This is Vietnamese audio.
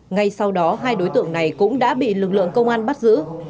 ngay sau đó hai đối tượng này cũng đã bị lực lượng công an bắt giữ